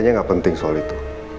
kayaknya gak penting soal itu